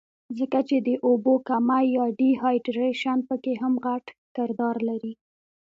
ځکه چې د اوبو کمے يا ډي هائيډرېشن پکښې هم غټ کردار لري